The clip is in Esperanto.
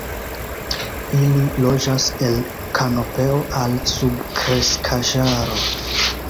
Ili loĝas el kanopeo al subkreskaĵaro.